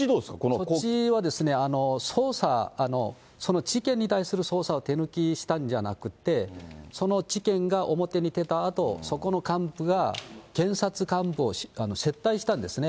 こっちは捜査、その事件に対する捜査を手抜きしたんじゃなくて、その事件が表に出たあと、そこの幹部が検察幹部を接待したんですね。